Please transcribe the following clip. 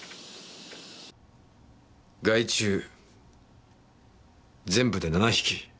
害虫全部で７匹。